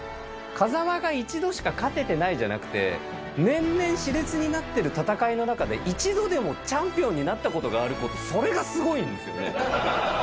風間が一度しか勝ててないんじゃなくて、年々、しれつになってる戦いの中で、一度でもチャンピオンになったことがあること、それがすごいんですよね。